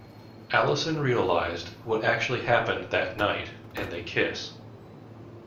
Alison realizes what actually happened that night, and they kiss.